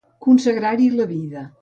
Consagrar-hi la vida.